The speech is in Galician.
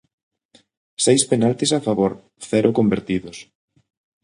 Seis penaltis a favor, cero convertidos.